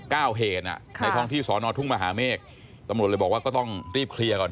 เหตุอ่ะในท้องที่สอนอทุ่งมหาเมฆตำรวจเลยบอกว่าก็ต้องรีบเคลียร์ก่อน